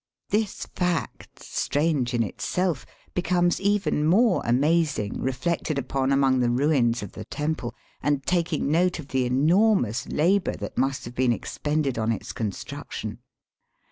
This fact, strange in itself, becomes even more amazing reflected upon among the ruins of the temple, and taking note of the enormous labour that must have been expended on its construction.